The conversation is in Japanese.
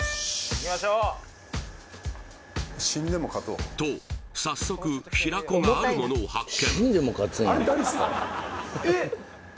いきましょうと早速平子があるものを発見